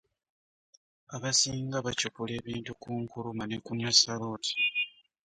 Abasinga bacupula ebintu ku Nkurumah ne ku Nasser Road.